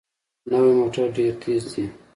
نوې موټر ډېره تېزه ځي